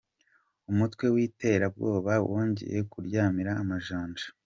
umutwe witera bwoba wongeye kuryamira amajanja